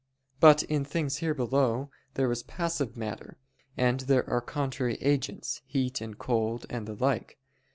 But in things here below there is passive matter; and there are contrary agents heat and cold, and the like.